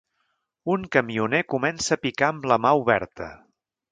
Un camioner comença a picar amb la mà oberta.